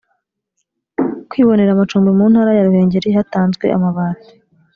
kwibonera amacumbi Mu Ntara ya Ruhengeri hatanzwe amabati